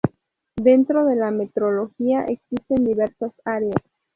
Dentro de la metrología existen diversas áreas.